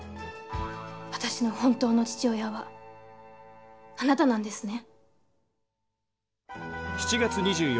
私の本当の父親はあなたなんですね？